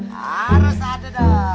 harus ada dong